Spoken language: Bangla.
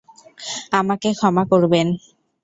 আমাকে ক্ষমা করবেন!